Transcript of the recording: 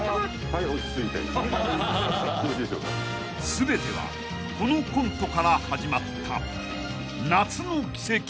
［全てはこのコントから始まった夏の奇跡］